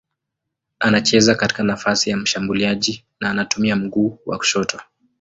Anacheza katika nafasi ya mshambuliaji na anatumia mguu wa kushoto.